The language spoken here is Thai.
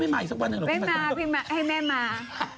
ไม่มาช่วยให้แม่มา